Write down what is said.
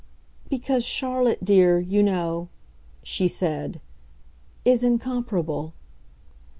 "Because Charlotte, dear, you know," she said, "is incomparable."